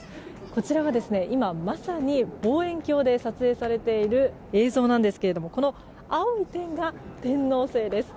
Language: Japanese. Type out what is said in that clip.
こちらは今まさに望遠鏡で撮影されている映像なんですがこの青い点が天王星です。